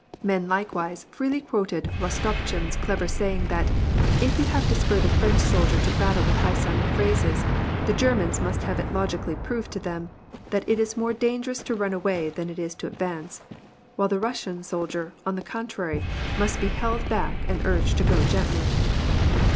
Men likewise, freely quoted Rostopchin's clever saying, that " you have to spur the. French soldier to battle with high sounding phrases; the Germans must have it logically proved to them that it is more dangerous to run away than it is to advance ; while the Russian soldier, on the contrary, must be held back and urged to go gently."